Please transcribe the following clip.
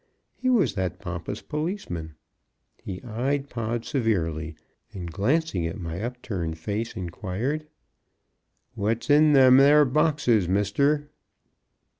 He was that pompous policeman. He eyed Pod severely, and glancing at my up turned face, inquired: "What's in them there boxes, Mister?"